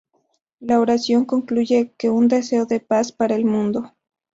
La oración concluye que un deseo de paz para el mundo.